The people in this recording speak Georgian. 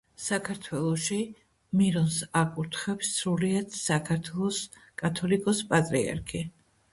საქართველოში მირონს აკურთხებს სრულიად საქართველოს კათოლიკოს-პატრიარქი.